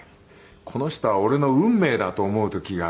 この人は俺の運命だと思う時がありますね。